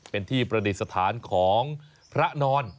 เป็นที่ประดิษฐานของพระนอน